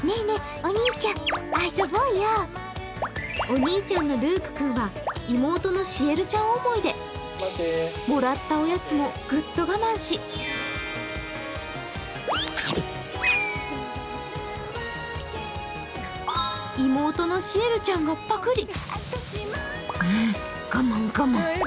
お兄ちゃんのルーク君は妹のシェルちゃん思いでもらったおやつもぐっと我慢し妹のシエルちゃんがパクリ。